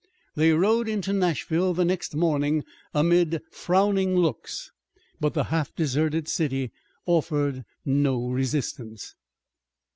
They rode into Nashville the next morning amid frowning looks, but the half deserted city offered no resistance.